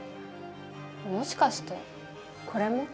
もしかしてこれも？